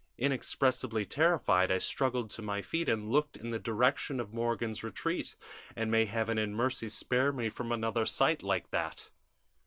Inexpressibly terrified, I struggled to my feet and looked in the direction of Morgan's retreat; and may heaven in mercy spare me from another sight like that!